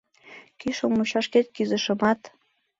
Кӱшыл мучашкет кӱзышымат